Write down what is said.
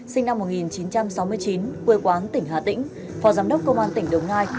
sinh năm một nghìn chín trăm sáu mươi chín quê quán tỉnh hà tĩnh phó giám đốc công an tỉnh đồng nai